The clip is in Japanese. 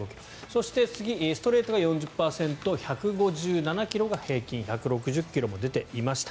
そして、ストレートが４０％１５７ｋｍが平均１６０ｋｍも出ていました。